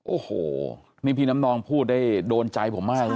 โอ้โหนี่พี่น้ำนองพูดได้โดนใจผมมากเลย